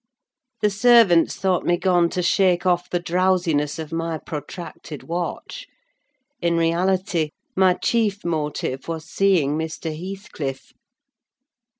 The servants thought me gone to shake off the drowsiness of my protracted watch; in reality, my chief motive was seeing Mr. Heathcliff.